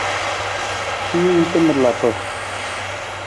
Siwung tamar lapa.